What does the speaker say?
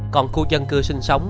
còn khu dân cư sinh sống